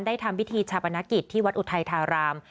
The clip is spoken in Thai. ทำพิธีชาปนกิจที่วัดอุทัยธาราม